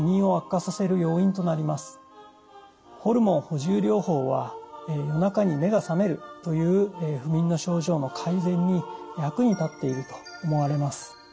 ホルモン補充療法は夜中に目が覚めるという不眠の症状の改善に役に立っていると思われます。